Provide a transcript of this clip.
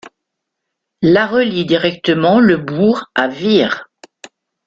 La relie directement le bourg à Vire.